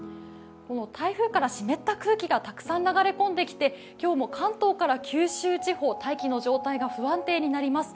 台風から湿った空気がたくさん流れこんできて今日も関東から九州地方大気の状態が不安定になります。